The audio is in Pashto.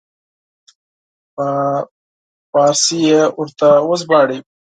په فارسي یې ورته وژباړي.